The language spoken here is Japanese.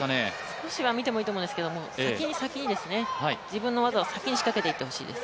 少しは見てもいいと思うんですけど、先に先にですね、自分の技を先に仕掛けていってほしいです。